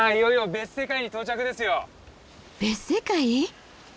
別世界？